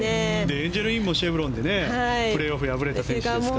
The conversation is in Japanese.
エンジェル・インもシェブロンでプレーオフにいきましたから。